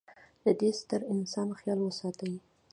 د د ې ستر انسان خیال وساتي.